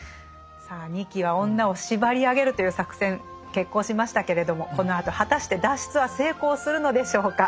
さあ仁木は女を縛り上げるという作戦決行しましたけれどもこのあと果たして脱出は成功するのでしょうか。